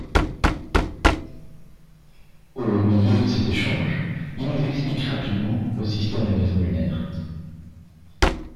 Au milieu de cet échange, il nous explique rapidement le système des maisons lunaires.